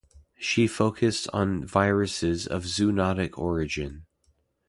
She focussed on viruses of zoonotic origin.